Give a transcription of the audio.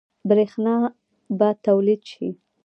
برښنا به تولید شي؟